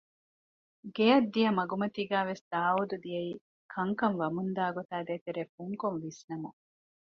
ގެއަށް ދިޔަ މަގުމަތީގައިވެސް ދާއޫދު ދިޔައީ ކަންކަން ވަމުންދާ ގޮތާ ދޭތެރޭ ފުންކޮށް ވިސްނަމުން